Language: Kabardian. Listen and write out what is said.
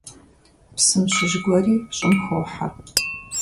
Псым щыщ гуэри щӀым хохьэ.